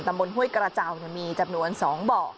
บนห้วยกระเจ้ามีจำนวน๒เบาะ